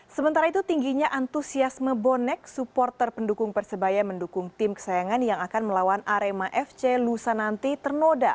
sementara itu tingginya antusiasme bonek supporter pendukung persebaya mendukung tim kesayangan yang akan melawan arema fc lusananti ternoda